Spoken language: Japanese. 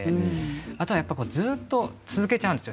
あとはずっと、続けちゃうんですよ